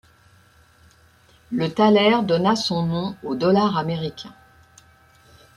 Le thaler donna son nom au dollar américain.